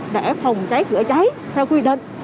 để phòng cháy rửa cháy theo quy định